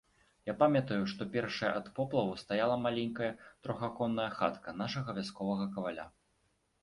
Я памятаю, што першая ад поплаву стаяла маленькая трохаконная хатка нашага вясковага каваля.